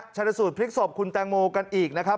ชนสูตรพลิกศพคุณแตงโมกันอีกนะครับ